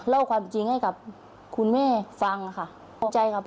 เล่าความจริงให้กับคุณแม่ฟังค่ะ